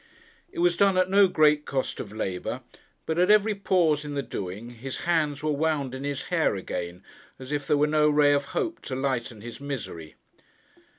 It was done at no great cost of labour; but at every pause in the doing, his hands were wound in his hair again, as if there were no ray of hope to lighten his misery.